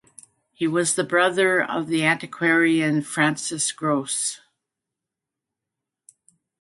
He was the brother of the antiquarian Francis Grose.